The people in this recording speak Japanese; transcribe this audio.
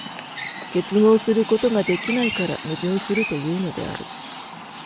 結合することができないから矛盾するというのである。